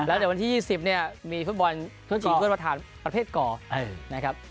แล้วจากวันที่๒๐นี้นะมีฟุตบอลพืชอีทก็ร์ประถานประเภทเกาะนะครับ